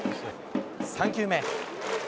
３球目。